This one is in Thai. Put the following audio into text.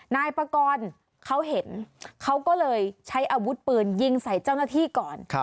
นายปากรเขาเห็นเขาก็เลยใช้อาวุธปืนยิงใส่เจ้าหน้าที่ก่อน